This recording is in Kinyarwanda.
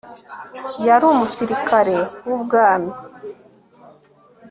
Yari umusirikare wubwami